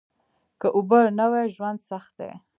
که اوبه نه وي ژوند سخت دي